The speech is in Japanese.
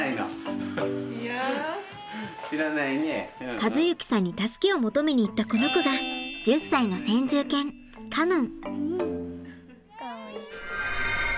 和之さんに助けを求めに行ったこの子が１０歳の先住犬カノン。